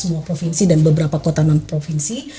semua provinsi dan beberapa kota non provinsi